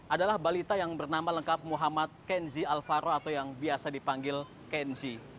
adalah balita yang bernama lengkap muhammad kenzi alvaro atau yang biasa dipanggil kenzi